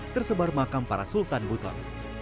tersebar makam para sultan buton